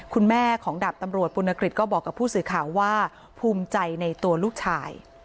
คุณแม่ของดาบตำรวจปุณกฤษก็บอกกับผู้สื่อข่าวว่าภูมิใจในตัวลูกชาย